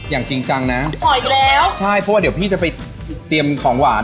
อย่างจริงจังนะขออีกแล้วใช่เพราะว่าเดี๋ยวพี่จะไปเตรียมของหวาน